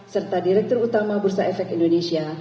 serta direktur utama bursa efek indonesia